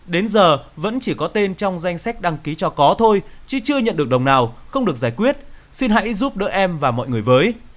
đến giờ vẫn chỉ có tên trong danh sách đăng ký cho có thôi chứ chưa nhận được đồng nào không được giải quyết xin hãy giúp đỡ em và mọi người với